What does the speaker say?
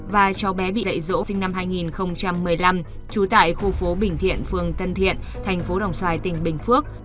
và cháu bé bị dạy rỗ sinh năm hai nghìn một mươi năm trú tại khu phố bình thiện phường tân thiện tp đồng xoài tỉnh bình phước